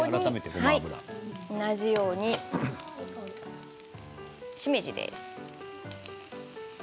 同じようにしめじです。